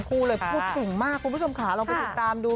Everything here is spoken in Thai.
พูดเก่งมากคุณผู้ชมขาลองไปติดตามดู